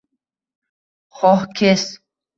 Xoh kes